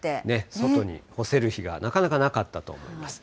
外に干せる日がなかなかなかったと思います。